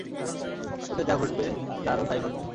ওদের যা ঘটবে তারও তাই ঘটবে।